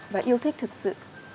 và yêu thích thực sự